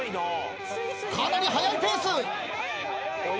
かなり速いペース。